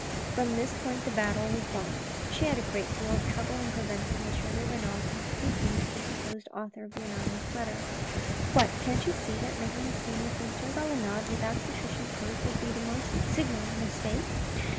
From this point the battle was won. She had a great deal of trouble in preventing M. de Renal from going to speak to the supposed author of the anonymous letter. " What, can't you see that making a scene with M. Valenod without sufficient proof would be the most signal mistake?